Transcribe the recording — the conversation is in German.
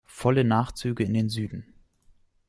Volle Nachtzüge in den Süden.